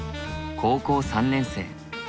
高校３年生。